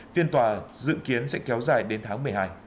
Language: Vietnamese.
phiên tòa dự kiến sẽ kéo dài đến tháng một mươi hai